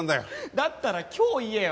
だったら今日言えよ。